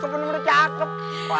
waduh udah capek